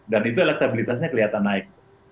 dan itu elektabilitasnya kelihatan naik